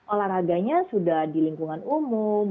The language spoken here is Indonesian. olahraganya sudah di lingkungan umum